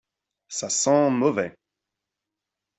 Ça sent mauvais.